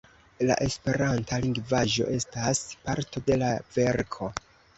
La esperanta lingvaĵo estas parto de la verko.